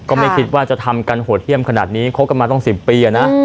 ก็ไม่คิดว่าจะทำกันโหดเยี่ยมขนาดนี้คบกันมาต้อง๑๐ปีนะ